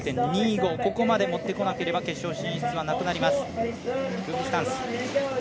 ここまで持ってこなければ決勝進出はなくなります。